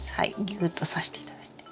ギューッとさして頂いて。